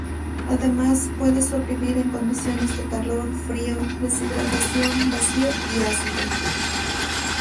Además, puede sobrevivir en condiciones de calor, frío, deshidratación, vacío y ácido.